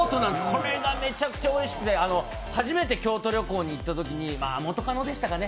これがめちゃくちゃおいしくて初めて京都旅行に行ったときにまあ元カノでしたかね。